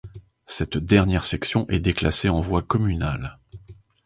Cette dernière section est déclassée en voie communale.